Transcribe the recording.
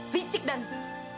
licik dan cerdik